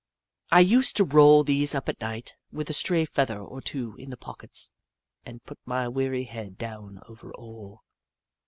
I used to roll these up at night, with a stray feather or two in the pockets, and put my weary head down over all.